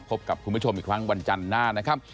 พบกับคุณผู้ชมอีกครั้งวันจันทร์หน้านะครับ